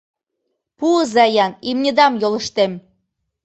Пуыза-ян, имньыдам йолыштем.